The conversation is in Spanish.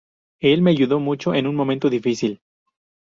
El me ayudó mucho en un momento difícil".